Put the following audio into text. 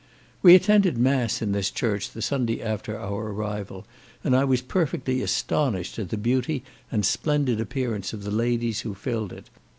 We attended mass in this church the Sunday after our arrival, and I was perfectly astonished at the beauty and splendid appearance of the ladies who filled it.